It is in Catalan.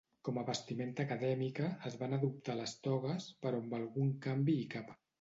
Com a vestimenta acadèmica, es van adoptar les togues però amb algun canvi i capa.